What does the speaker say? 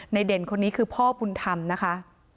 เด่นคนนี้คือพ่อบุญธรรมนะคะ